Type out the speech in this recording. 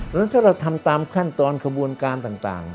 เพราะฉะนั้นถ้าเราทำตามขั้นตอนขบวนการต่าง